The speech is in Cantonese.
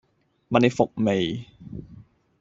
問你服未